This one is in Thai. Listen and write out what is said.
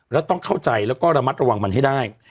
แล้วต้องเข้าใจแล้วก็ระมัดระวังมันให้ได้